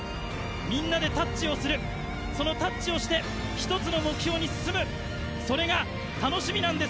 「みんなでタッチをするそのタッチをして１つの目標に進むそれが楽しみなんです」